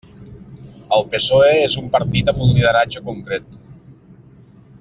El PSOE és un partit amb un lideratge concret.